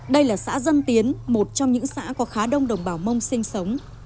đây là xã dân tiến một trong những xã có khá đông đồng bào mông sinh sống